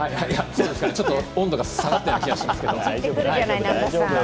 ちょっと温度が下がった気がしますけど。